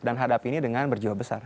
dan hadap ini dengan berjiwa besar